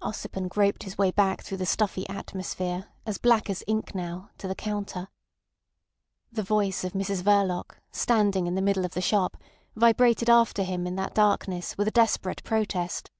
Ossipon groped his way back through the stuffy atmosphere, as black as ink now, to the counter. The voice of Mrs Verloc, standing in the middle of the shop, vibrated after him in that blackness with a desperate protest.